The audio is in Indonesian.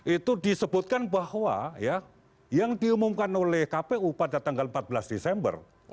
itu disebutkan bahwa ya yang diumumkan oleh kpu pada tanggal empat belas desember